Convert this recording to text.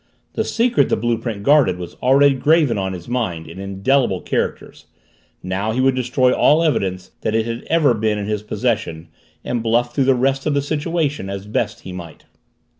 The secret the blue print guarded was already graven on his mind in indelible characters now he would destroy all evidence that it had ever been in his possession and bluff through the rest of the situation as best he might.